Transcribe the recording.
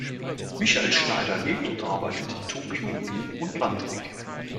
Michael Schneider lebt und arbeitet in Tokio, Wien und Landeck.